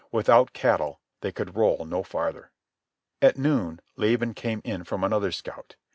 Without cattle they could roll no farther. At noon Laban came in from another scout.